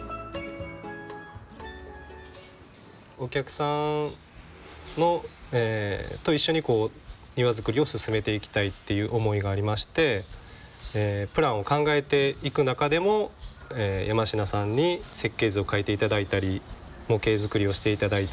お客さんと一緒に庭造りを進めていきたいっていう思いがありましてプランを考えていく中でも山科さんに設計図を書いて頂いたり模型作りをして頂いたり。